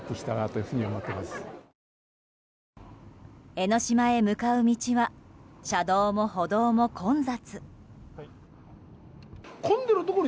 江の島へ向かう道は車道も歩道も混雑。